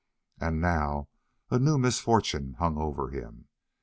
And now a new misfortune hung over him.